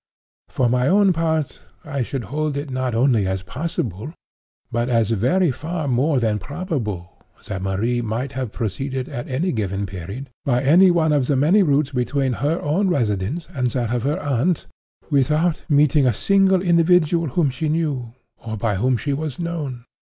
For my own part, I should hold it not only as possible, but as very far more than probable, that Marie might have proceeded, at any given period, by any one of the many routes between her own residence and that of her aunt, without meeting a single individual whom she knew, or by whom she was known.